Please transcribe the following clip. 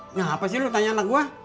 kenapa sih lu tanya anak gua